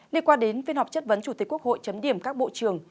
liên quan đến phiên họp chất vấn chủ tịch quốc hội chấm điểm các bộ trưởng